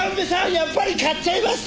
やっぱり買っちゃいました！